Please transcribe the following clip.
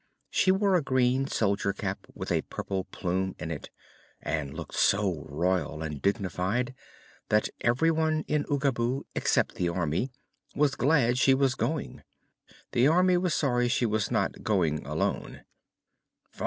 She wore a green soldier cap with a purple plume in it and looked so royal and dignified that everyone in Oogaboo except the Army was glad she was going. The Army was sorry she was not going alone.